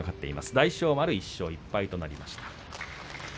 大翔丸１勝１敗となりました。